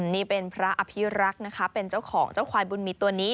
นี่เป็นพระอภิรักษ์นะคะเป็นเจ้าของเจ้าควายบุญมีตัวนี้